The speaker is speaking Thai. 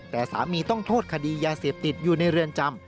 แต่สามีต้องโทษคดียาเสพติดอยู่ในเรือนจำ